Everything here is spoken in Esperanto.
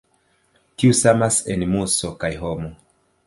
Tiu samas en muso kaj homo.